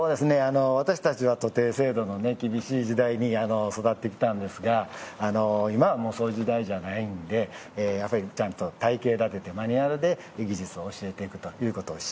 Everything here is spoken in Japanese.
私たちは徒弟制度の厳しい時代に育ってきたんですが今はもうそういう時代じゃないんでちゃんと体系立ててマニュアルで技術を教えていくということを。